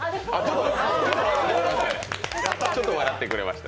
ちょっと笑ってくれました。